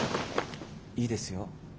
いいですよ。